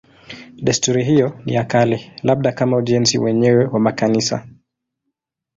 Desturi hiyo ni ya kale, labda kama ujenzi wenyewe wa makanisa.